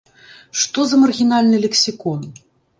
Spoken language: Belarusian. Што за маргінальны лексікон!